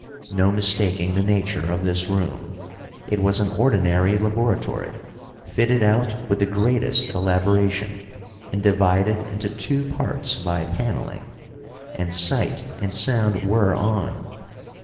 No mistaking the nature of this room; it was an ordinary laboratory, fitted out with the greatest elaboration, and divided into two parts by paneling. And sight and sound were on.